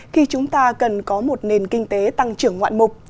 khi chúng ta cần có một nền kinh tế tăng trưởng ngoạn mục